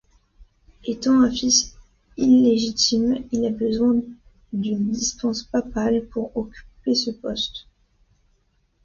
Étant un fils illégitime, il a besoin d'une dispense papale pour occuper ce poste.